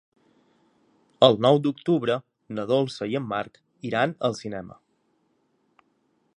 El nou d'octubre na Dolça i en Marc iran al cinema.